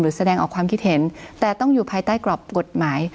แสดงออกความคิดเห็นแต่ต้องอยู่ภายใต้กรอบกฎหมาย